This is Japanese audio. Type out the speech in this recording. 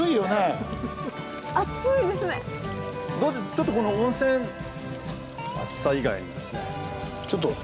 ちょっとこの温泉熱さ以外にですね。